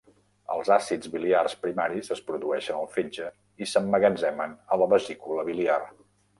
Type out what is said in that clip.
Els àcids biliars primaris es produeixen al fetge i s'emmagatzemen a la vesícula biliar.